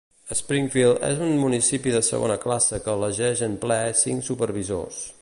Springfield és un municipi de segona classe que elegeix en ple cinc supervisors.